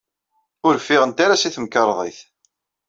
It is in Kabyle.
Ur ffiɣent ara seg temkarḍit.